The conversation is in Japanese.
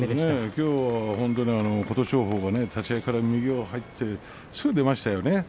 きょうの琴勝峰立ち合いから右を入れてすぐ出ましたね。